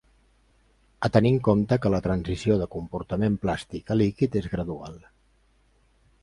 A tenir en compte que la transició de comportament plàstic a líquid és gradual.